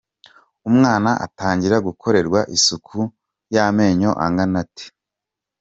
Umwana atangira gukorerwa isuku y’amenyo angana ate?